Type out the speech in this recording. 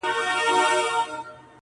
• او چي روږد سي د بادار په نعمتونو ,